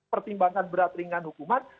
pertimbangan berat ringan hukuman